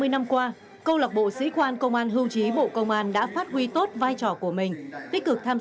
ba mươi năm qua câu lạc bộ sĩ quan công an hưu trí bộ công an đã phát huy tốt vai trò của mình